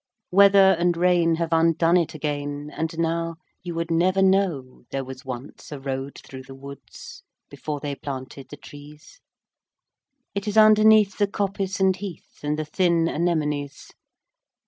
Weather and rain have undone it again, And now you would never know There was once a road through the woods Before they planted the trees. It is underneath the coppice and heath, And the thin anemones.